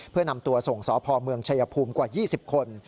เพื่อนำตัวส่งสพเมืองชายภูมิกว่า๒๐คน